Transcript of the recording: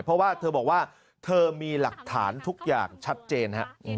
เพราะว่าเธอบอกว่าเธอมีหลักฐานทุกอย่างชัดเจน